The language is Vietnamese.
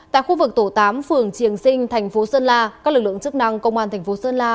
tại khu vực tổ tám phường triềng sinh thành phố sơn la các lực lượng chức năng công an thành phố sơn la